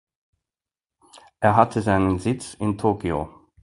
Er hatte seinen Sitz in Tokio.